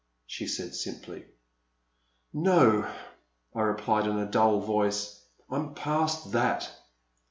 *' she asked simply "No," I replied in a dull voice, '*I*m past that."